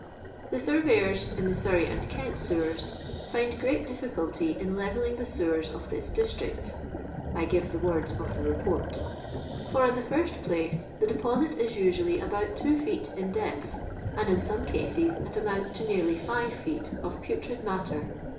"The snryeyors ^ the Surrey and Kent •ewers) And great difficulty in levelliog the sewers of this district (I give tiie words of the Report); for, in the first place, the deposit is Hiially about two feet in depth, and in some cases it amounts to nearly five feet of putrid mat ter.